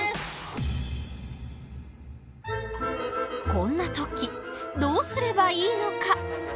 こんな時どうすればいいのか？